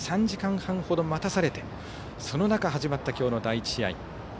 ３時間半ほど待たされてその中始まった、今日の第１試合。